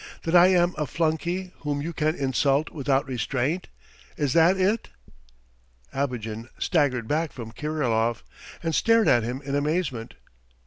That I am a flunkey whom you can insult without restraint? Is that it?" Abogin staggered back from Kirilov and stared at him in amazement.